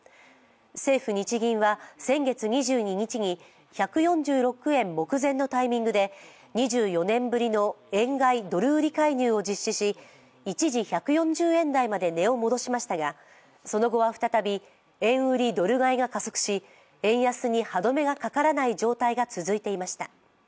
政府・日銀は先月２２日に１４６円目前のタイミングで２４年ぶりの円買いドル売り介入を実施し一時１４０円台まで値を戻しましたがその後は再び円売り・ドル買いが加速し円安に歯止めがかからない状態が続いていました。